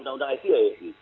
undang undang ipa ya